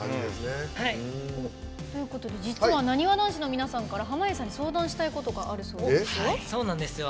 実はなにわ男子の皆さんから濱家さんに相談したいことがあるそうなんです。